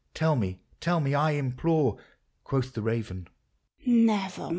— tell me, — tell me, I implore !" Quoth the raven, " Nevermore